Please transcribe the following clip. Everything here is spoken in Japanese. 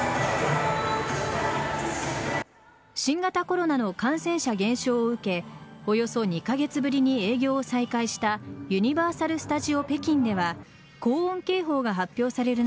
新型コロナの感染者減少を受けおよそ２カ月ぶりに営業を再開したユニバーサル・スタジオ・北京では高温警報が発表される